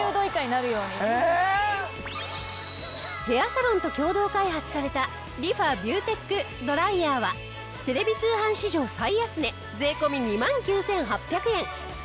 ヘアサロンと共同開発されたリファビューテックドライヤーはテレビ通販史上最安値税込２万９８００円。